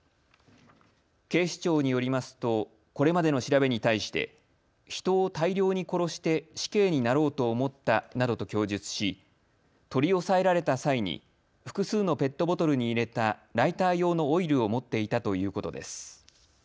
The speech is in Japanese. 警視庁によりますとこれまでの調べに対して人を大量に殺して死刑になろうと思ったなどと供述し取り押さえられた際に複数のペットボトルに入れたライター用のオイルを持っていたということです。